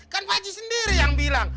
kan pak haji sendiri yang bilang